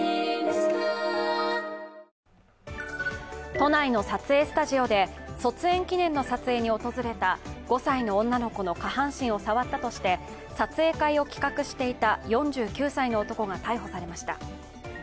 都内の撮影スタジオで卒園記念の撮影に訪れた５歳の女の子の下半身を触ったとして撮影会を企画していた４９歳の男が逮捕されました。